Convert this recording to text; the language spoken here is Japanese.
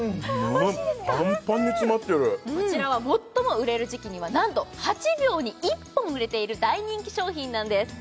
パンパンに詰まってるこちらは最も売れる時期にはなんと８秒に１本売れている大人気商品なんです